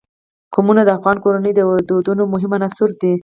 قومونه د افغان کورنیو د دودونو مهم عنصر دی.